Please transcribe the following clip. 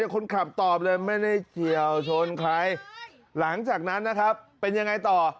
คนขับตอบเลยไม่ได้เกี่ยวชนใครหลังจากนั้นนะครับเป็นยังไงต่อ